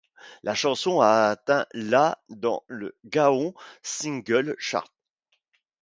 La chanson a atteint la dans le Gaon Singles Chart.